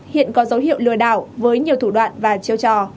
hiện có dấu hiệu lừa đảo với nhiều thủ đoạn và chiêu trò